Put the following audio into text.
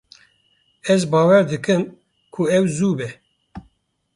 Ez bawer dikim, ku ew zû bê.